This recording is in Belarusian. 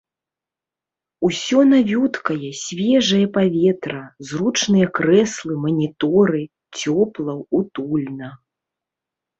Усё навюткае, свежае паветра, зручныя крэслы, маніторы, цёпла, утульна.